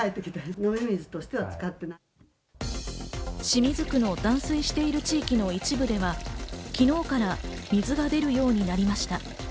清水区の断水している地域の一部では昨日から水が出るようになりました。